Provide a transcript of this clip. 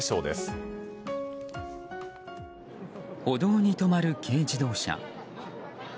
歩道に止まる軽自動車。